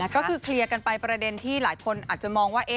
ก็คือเคลียร์กันไปประเด็นที่หลายคนอาจจะมองว่า